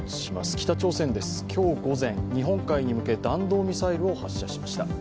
北朝鮮です、今日午前、日本海に向け、弾道ミサイルを発射しました。